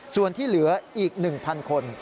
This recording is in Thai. ส่วนที่เหลืออีก๑๐๐คน